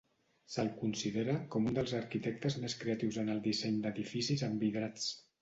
Se'l considera com un dels arquitectes més creatius en el disseny d'edificis envidrats.